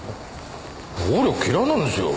暴力嫌いなんですよ。